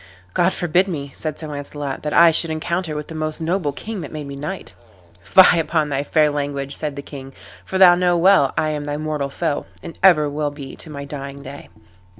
"God forbid me," said Sir Launcelot, "that I should encounter with the most noble king that made me knight." "Fie upon thy fair language," said the king, "for know thou well I am thy mortal foe, and ever will be to my dying day."